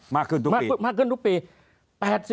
มากขึ้นทุกปี